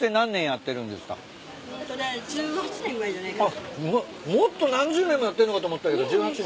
あっもっと何十年もやってんのかと思ったけど１８年。